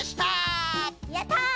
やった！